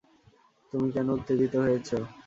তুমি কেন উত্তেজিত হয়েছ?